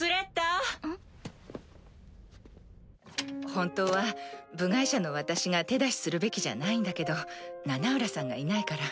本当は部外者の私が手出しするべきじゃないんだけどナナウラさんがいないから。